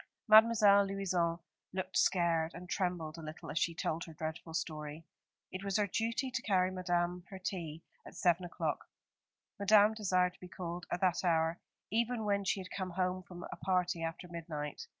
Mademoiselle Louison looked scared, and trembled a little as she told her dreadful story. It was her duty to carry Madame her tea at seven o'clock. Madame desired to be called at that hour, even when she had come home from a party after midnight.